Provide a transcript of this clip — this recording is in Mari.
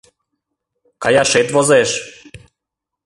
— Каяшет возеш!